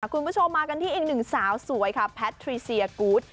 คุณผู้ชมมากันที่อีกหนึ่งสาวสวยค่ะแพทรีเซียกูธ